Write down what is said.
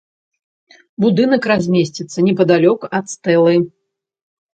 Будынак размесціцца непадалёк ад стэлы.